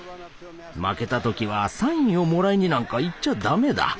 負けた時はサインをもらいになんか行っちゃダメだ。